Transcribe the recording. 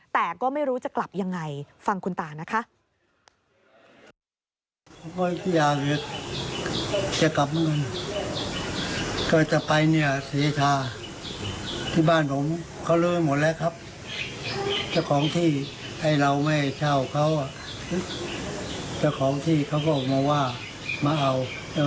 แต่ก็ไม่รู้จะกลับยังไงฟังคุณตานะคะ